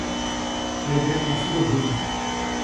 Ariberto da Silva Bruno